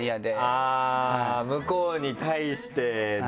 あぁ向こうに対してね。